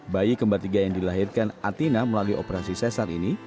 bayi kembar tiga yang dilahirkan atina melalui operasi sesar ini